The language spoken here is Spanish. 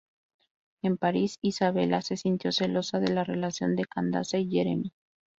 En París, Isabella se sintió celosa de la relación de Candace y Jeremy.